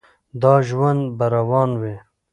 دا ژوند به روان وي.